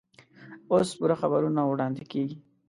اوس پوره خبرونه واړندې کېږي.